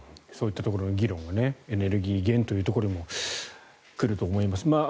そういったところの議論をエネルギー源というところも来ると思います。